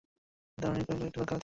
দামিনী কহিল, না, একটু দরকার আছে।